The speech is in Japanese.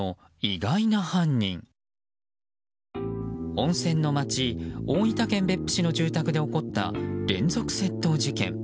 温泉の街、大分県別府市の住宅で起こった連続窃盗事件。